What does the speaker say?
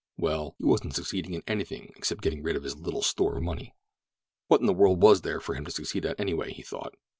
Well, he wasn't succeeding in anything except getting rid of his little store of money. What in the world was there for him to succeed at, anyway? he thought.